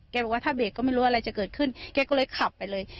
บอกว่าถ้าเบรกก็ไม่รู้อะไรจะเกิดขึ้นแกก็เลยขับไปเลย